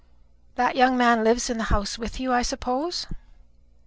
"That young man lives in the house with you, I suppose?"